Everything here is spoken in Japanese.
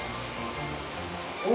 お！